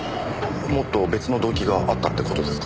もっと別の動機があったって事ですか？